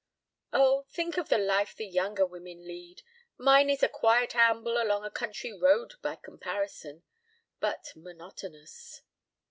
"Oh, think of the life the younger women lead. Mine is a quiet amble along a country road by comparison. ... But ... monotonous!"